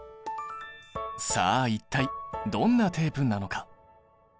さあ一体どんなテープなのか。